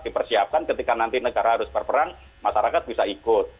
dipersiapkan ketika nanti negara harus berperang masyarakat bisa ikut